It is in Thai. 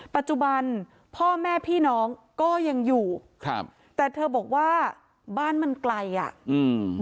ปัจจุบันพ่อแม่พี่น้องก็ยังอยู่ครับแต่เธอบอกว่าบ้านมันไกลอ่ะอืม